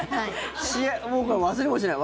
僕は忘れもしない。